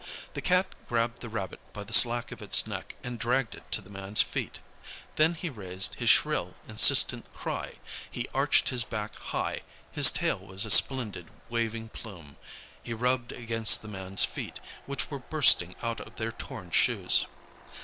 The Cat grabbed the rabbit by the slack of its neck and dragged it to the man's feet. Then he raised his shrill, insistent cry, he arched his back high, his tail was a splendid waving plume. He rubbed against the man's feet, which were bursting out of their torn shoes.